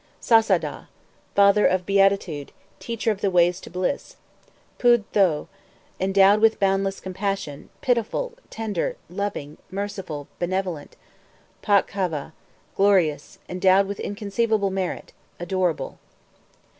8. Sassahdah, Father of Beatitude, Teacher of the ways to bliss. 9. Poodh tho, Endowed with boundless Compassion, Pitiful, Tender, Loving, Merciful, Benevolent. 10. Pâk havah, Glorious, endowed with inconceivable Merit, Adorable.